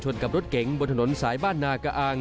กับรถเก๋งบนถนนสายบ้านนากะอาง